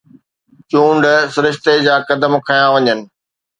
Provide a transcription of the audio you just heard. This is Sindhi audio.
چونڊ سرشتي جا قدم کنيا وڃن